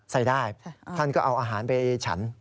ใส่ได้ท่านก็เอาอาหารไปฉัน